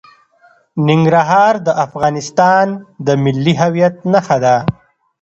ننګرهار د افغانستان د ملي هویت نښه ده.